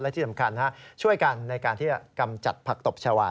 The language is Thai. และที่สำคัญช่วยกันในการที่จะกำจัดผักตบชาวา